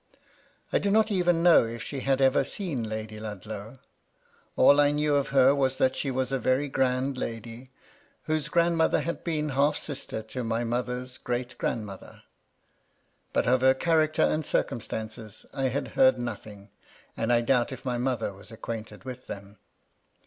I do not even know if she had ever seen Lady Ludlow : all I knew of her was that she was a very grand lady, whose grandmother had been half aster to my mother's great grandmother ; but of her character and circumstances I had heard nothing, and I doubt if my mother was acquainted with them.